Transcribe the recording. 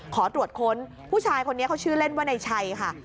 ขอตรวจค้นผู้ชายคนนี้เขาชื่อเล่นว่านายชัยค่ะ